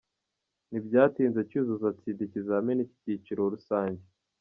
Ntibyatinze Cyuzuzo atsinda ikizamini cy’icyiciro rusange .